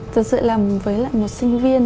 thật sự là với lại một sinh viên